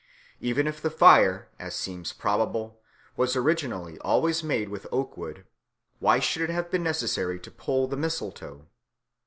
Even if the fire, as seems probable, was originally always made with oak wood, why should it have been necessary to pull the mistletoe?